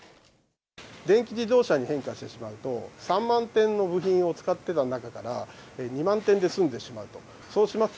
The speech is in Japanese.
電気自動車に変化してしまうと、３万点の部品を使ってた中から、２万点で済んでしまうと。